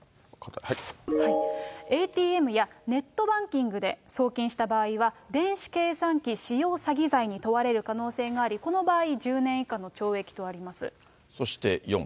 ＡＴＭやネットバンキングで送金した場合は、電子計算機使用詐欺罪に問われる可能性があり、この場合１０年以下の懲役とあります。